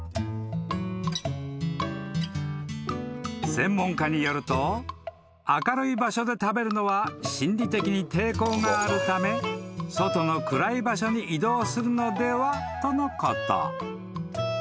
［専門家によると明るい場所で食べるのは心理的に抵抗があるため外の暗い場所に移動するのではとのこと］